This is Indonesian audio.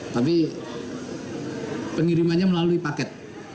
tapi pengirimannya melalui paket